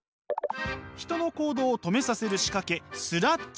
人の行動を止めさせる仕掛けスラッジとは？